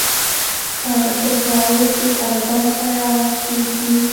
په دهراوت کښې طالبان سره راغونډ سوي دي.